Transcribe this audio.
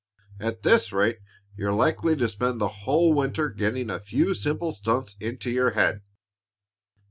"At this rate, you're likely to spend the whole winter getting a few simple stunts into your head."